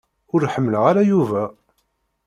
Ur ḥemmleɣ ara Yuba.